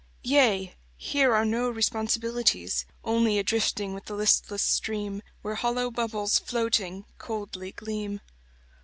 Yea, here are no responsibilities. Only a drifting with the listless stream Where hollow bubbles, floating, coldly gleam.